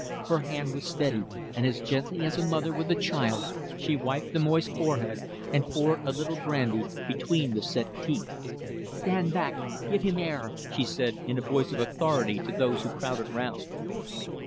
Her hand was steady, and as gently as a mother with a child she wiped the moist forehead, and poured a little brandy between the set teeth. "Stand back give him air," she said, in a voice of authority to those who crowded round.